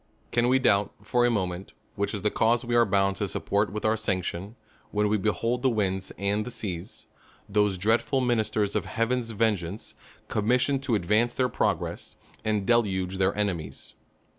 Can we doubt, for a moment, which is the cause we " are bound to support with our sanction, when we behold the winds and the seas, those dreadful ministers of Hea ven's vengeance, commissioned to advance their pro gress, and deluge their enemies